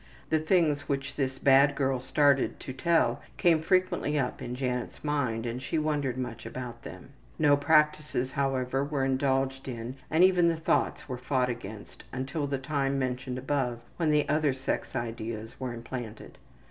The things which this bad girl started to tell came frequently up in Janet's mind and she wondered much about them. No practices, however, were indulged in and even the thoughts were fought against until the time mentioned above when other sex ideas were implanted.